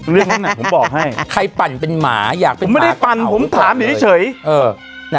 เรื่องนั้นผมบอกให้ใครปั่นเป็นหมาอยากเป็นไม่ได้ปั่นผมถามอยู่เฉย